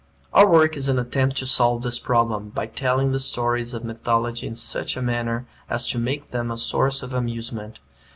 Our work is an attempt to solve this problem, by telling the stories of mythology in such a manner as to make them a source of amusement.